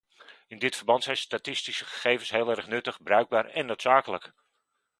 In dit verband zijn statistische gegevens heel erg nuttig, bruikbaar en noodzakelijk.